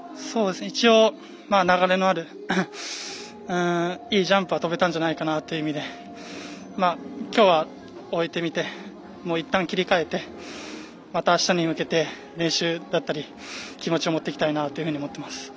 一応、流れのあるいいジャンプは跳べたんじゃないかなという意味できょうは、終えてみていったん切り替えてまたあしたに向けて練習だったり気持ちを持っていきたいなと思っています。